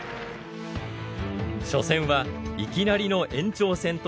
初戦はいきなりの延長戦となります。